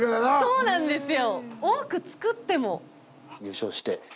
そうなんですよ。